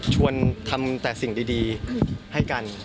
ทำแต่สิ่งดีให้กัน